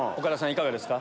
いかがですか？